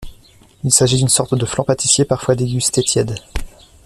Il s'agit d'une sorte de flan pâtissier, parfois dégusté tiède.